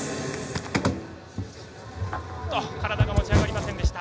体が持ち上がりませんでした。